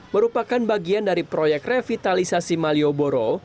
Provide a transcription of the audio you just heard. merupakan bagian dari proyek revitalisasi malioboro